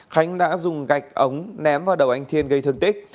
khánh đã dùng gạch ống ném vào đầu anh thiên gây thương tích